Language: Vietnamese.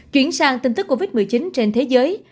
chuyển sang tin tức covid một mươi chín trên thế giới